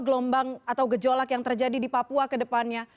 gelombang atau gejolak yang terjadi di papua ke depannya